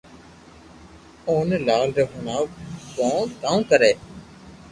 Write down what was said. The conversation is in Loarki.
اوني لال ني ھڻاو ڪو ڪاوُ ڪري